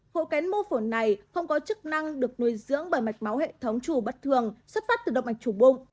hộ kén mô phỏng này không có chức năng được nuôi dưỡng bởi mạch máu hệ thống trù bất thường xuất phát từ động mạch chủ bụng